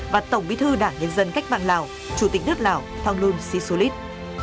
và tổng bí thư đảng nhân dân cách mạng lào chủ tịch nước lào thonglun sisulit